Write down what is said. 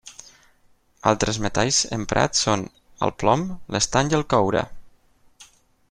Altres metalls emprats són: el plom, l'estany i el coure.